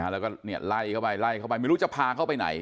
แล้วก็ไล่เข้าไปไล่เข้าไปไม่รู้จะพาเขาไปไหน